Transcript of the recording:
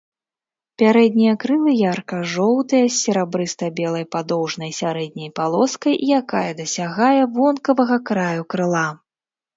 Пярэднія крылы ярка-жоўтыя, з серабрыста-белай падоўжнай сярэдняй палоскай, якая дасягае вонкавага краю крыла.